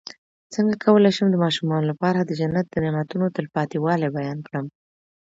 څنګه کولی شم د ماشومانو لپاره د جنت د نعمتو تلپاتې والی بیان کړم